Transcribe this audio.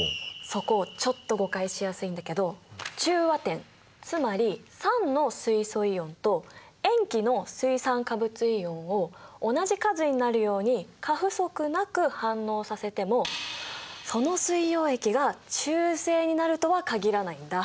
そこちょっと誤解しやすいんだけど中和点つまり酸の水素イオンと塩基の水酸化物イオンを同じ数になるように過不足なく反応させてもその水溶液が中性になるとは限らないんだ。